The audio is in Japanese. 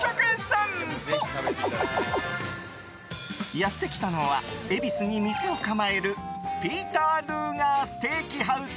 やってきたのは恵比寿に店を構えるピーター・ルーガー・ステーキハウス